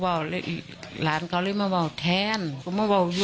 พวกฉันที่มีความหมายของผมก็ก็หาย